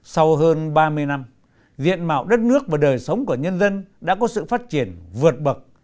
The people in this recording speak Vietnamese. sau hơn ba mươi năm diện mạo đất nước và đời sống của nhân dân đã có sự phát triển vượt bậc